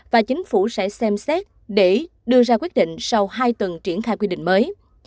và chính phủ sẽ xem xét để đưa ra quyết định sau hai tuần triển khai quy định mới